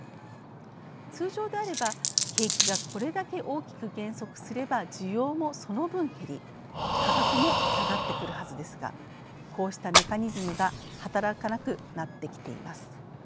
通常であれば景気がこれだけ大きく減速すれば需要もその分減り価格も下がってくるはずですがこうしたメカニズムが働かなくなってきています。